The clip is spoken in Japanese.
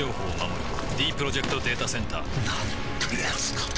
ディープロジェクト・データセンターなんてやつなんだ